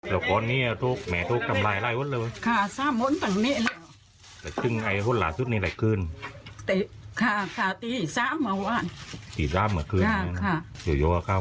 ตอบนี่บวมมัดเหลว